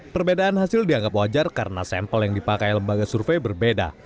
perbedaan hasil dianggap wajar karena sampel yang dipakai lembaga survei berbeda